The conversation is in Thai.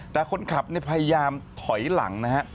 แต่คนขับพยายามถอยหลังนะฮะ